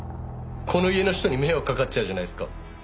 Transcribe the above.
この家の人に迷惑かかっちゃうじゃないですか。